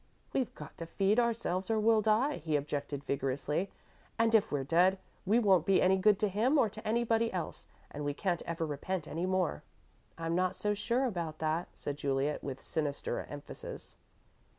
"We've got to feed ourselves, or we'll die," he objected vigorously, "and if we're dead, we won't be any good to him or to anybody else, and we can't ever repent any more." "I'm not so sure about that." said Juliet, with sinister emphasis.